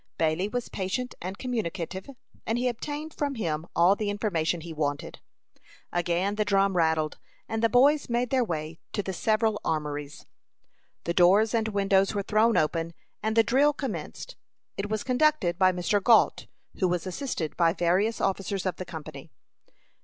Bailey was patient and communicative, and he obtained from him all the information he wanted. Again the drum rattled, and the boys made their way to the several armories. The doors and windows were thrown open, and the drill commenced. It was conducted by Mr. Gault, who was assisted by various officers of the company.